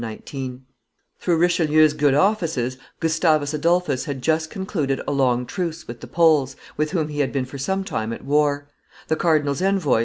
119.] Through Richelieu's good offices, Gustavus Adolphus had just concluded a long truce with the Poles, with whom he had been for some time at war: the cardinal's envoy, M.